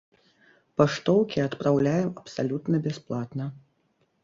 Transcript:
Паштоўкі адпраўляем абсалютна бясплатна.